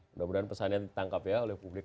mudah mudahan pesannya ditangkap ya oleh publik